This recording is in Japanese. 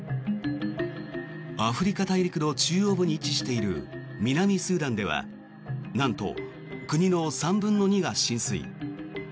アフリカ大陸の中央部に位置している南スーダンではなんと国の３分の２が浸水。